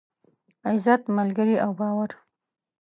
عزت، ملگري او باور.